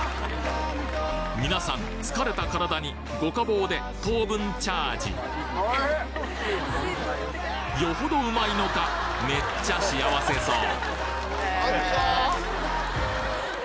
皆さん疲れた体に五家宝で糖分チャージよほどうまいのかめっちゃ幸せそう！